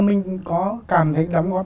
mình có cảm thấy đóng góp